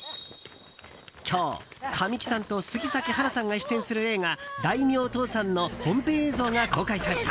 今日、神木さんと杉咲花さんが出演する映画「大名倒産」の本編映像が公開された。